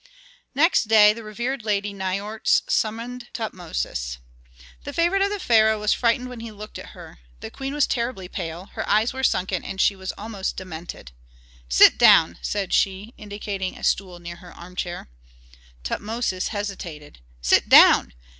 Next day the revered lady Nikotris summoned Tutmosis. The favorite of the pharaoh was frightened when he looked at her. The queen was terribly pale, her eyes were sunken and she was almost demented. "Sit down!" said she, indicating a stool near her armchair. Tutmosis hesitated. "Sit down!